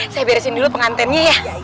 saya beresin dulu pengantennya ya